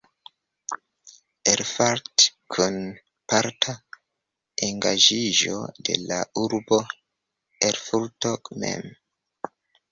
Erfurt" kun parta engaĝiĝo de la urbo Erfurto mem.